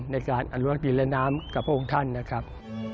ในการอนุรักษ์ดินและน้ำกับพระองค์ท่านนะครับ